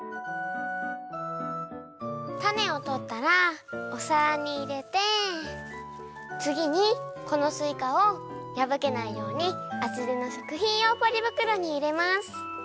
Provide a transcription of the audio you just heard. たねをとったらおさらにいれてつぎにこのすいかをやぶけないようにあつでのしょくひんようポリぶくろにいれます。